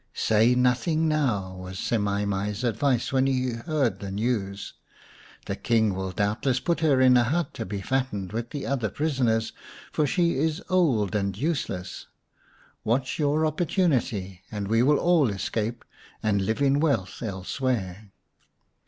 " Say nothing now," was Semai mai's advice when he heard the news. " The King will doubtless put her in a hut to be fattened with the other prisoners, for she is old and useless. Watch your opportunity, and we will all escape and live in wealth elsewhere."